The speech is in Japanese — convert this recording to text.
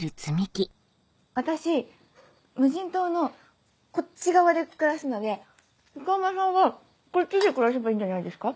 私無人島のこっち側で暮らすので鹿浜さんはこっちで暮らせばいいんじゃないですか？